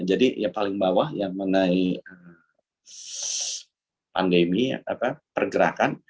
yang paling bawah yang mengenai pandemi pergerakan